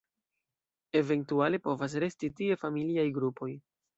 Eventuale povas resti tie familiaj grupoj.